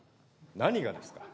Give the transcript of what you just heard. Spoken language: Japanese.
何がですか。